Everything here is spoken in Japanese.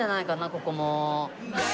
ここも。